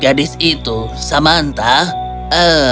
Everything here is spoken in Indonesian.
jadis itu samantha